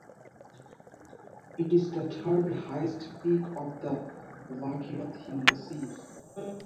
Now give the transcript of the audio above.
It is the third highest peak of the Bhagirathi Massif.